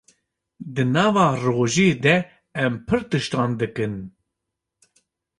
Di nava rojê de em pir tiştan dikin.